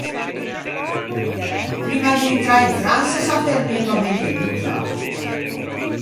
Primma d'intrâ in Fransa s'affermemmo à Ventemiggia?